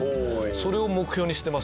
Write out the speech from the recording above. それを目標にしてます。